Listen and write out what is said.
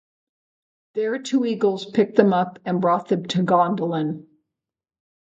There two Eagles picked them up, and brought them to Gondolin.